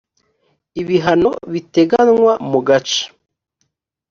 ibihano biteganywa mu gace